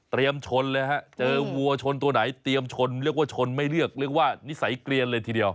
ชนเลยฮะเจอวัวชนตัวไหนเตรียมชนเรียกว่าชนไม่เลือกเรียกว่านิสัยเกลียนเลยทีเดียว